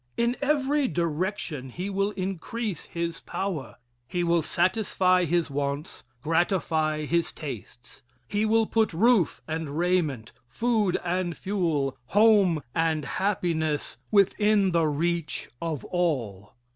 In every direction he will increase his power. He will satisfy his wants, gratify his tastes. He will put roof and raiment, food and fuel, home and happiness within the reach of all.